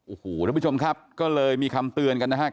โอ้โหทุกผู้ชมครับก็เลยมีคำเตือนกันนะครับ